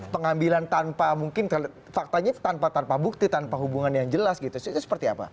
pengambilan tanpa mungkin faktanya tanpa tanpa bukti tanpa hubungan yang jelas gitu itu seperti apa